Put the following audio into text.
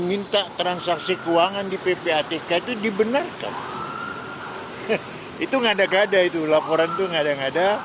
itu ngada ngada itu laporan itu ngada ngada